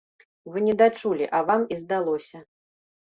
Вы не дачулі, а вам і здалося.